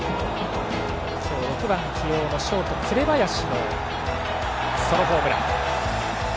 今日６番起用のショート、紅林のソロホームラン。